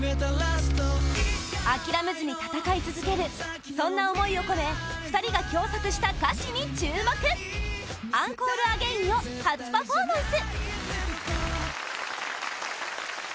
諦めずに戦い続けるそんな思いを込め２人が共作した歌詞に注目「ＥＮＣＯＲＥＡＧＡＩＮ」を初パフォーマンス！